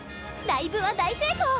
ライブは大成功！